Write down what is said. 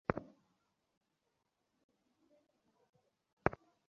সেই আশাকে মারাটাই হবে আসল খুন।